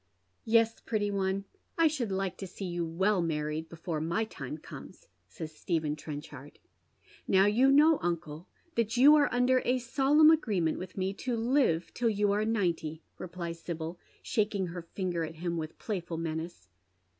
" Yes, pretty one, I should like to see you well married before my time comes," says Stephen Trenchard. " Now yom know, uncle, that yovi are under a solemn agree ment with me to live till you are ninety," replies Sibyl, sh^ng her finger at him with playful menace.